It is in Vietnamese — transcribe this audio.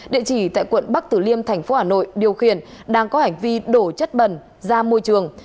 địa chỉ tại quận bắc tử liêm thành phố hà nội điều khiển đang có hành vi đổ chất bẩn ra môi trường